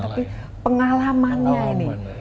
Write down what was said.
tapi pengalamannya ini